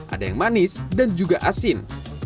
ada yang manis dan juga asin